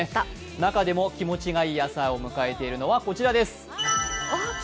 中でも気持ちがいい朝を迎えているのはこちらです。